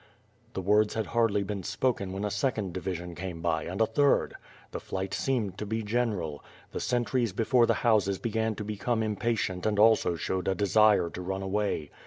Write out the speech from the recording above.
The words had hardly been =poken when a second division came by, and a third. The fliij:ht seemed to be general. The eentries before the houses began to become impatient and l8g WITH FIUE AND SWORD, also showed a desire to run away.